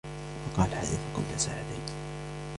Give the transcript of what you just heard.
وقع الحادث قبل ساعتين.